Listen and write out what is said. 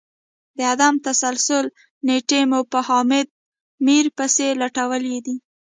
د عدم تسلسل نیټې مو په حامد میر پسي لټولې دي